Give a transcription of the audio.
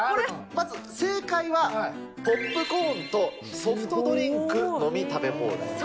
まず、正解はポップコーンとソフトドリンク飲み食べ放題。